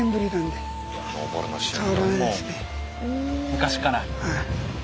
昔から。